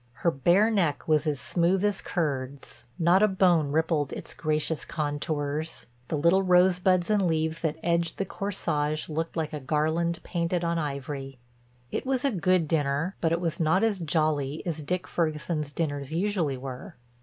Her bare neck was as smooth as curds, not a bone rippled its gracious contours; the little rosebuds and leaves that edged the corsage looked like a garland painted on ivory. It was a good dinner, but it was not as jolly as Dick Ferguson's dinners usually were.